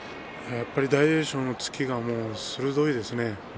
大栄翔の突きが鋭いですね。